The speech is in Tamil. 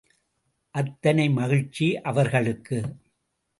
அத்தனை மகிழ்ச்சி அவர்களுக்கு.